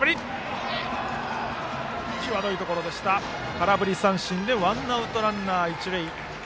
空振り三振でワンアウトランナー、一塁。